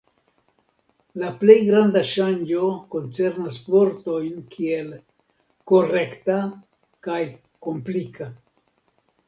La plej grava ŝanĝo koncernas vortojn kiel "korekta" kaj "komplika".